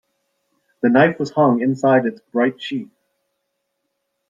The knife was hung inside its bright sheath.